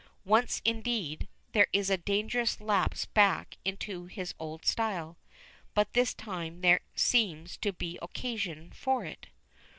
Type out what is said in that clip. Once, indeed, there is a dangerous lapse back into his old style, but this time there seems to be occasion for it.